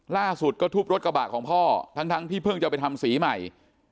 ล่าสุดก็ทุบรถกระบะของพ่อทั้งที่เพิ่งจะไปทำสีใหม่